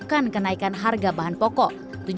akan kenaikan harga bahan pokok